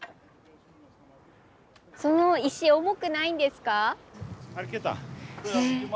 その石重くないんですか？